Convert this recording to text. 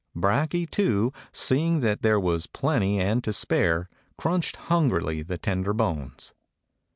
Brakje, too, seeing that there was plenty and to spare, crunched hungrily the tender bones.